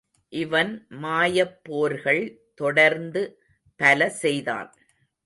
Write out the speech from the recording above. இவன் மாயப்போர்கள் தொடர்ந்து பல செய்தான்.